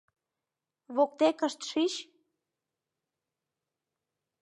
— Воктекышт шич.